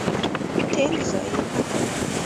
تیل ضایع مه کوه.